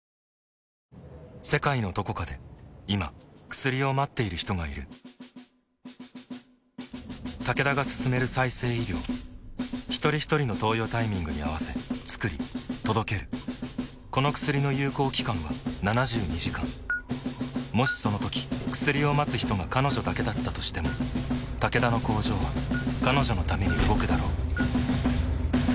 世界のどこかで今薬を待っている人がいるタケダが進める再生医療ひとりひとりの投与タイミングに合わせつくり届けるこの薬の有効期間は７２時間もしそのとき薬を待つ人が彼女だけだったとしてもタケダの工場は彼女のために動くだろう